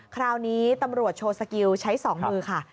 คราวนี้ตำรวจโชว์สกิลใช้๒มือค่ะ